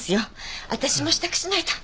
私も支度しないと。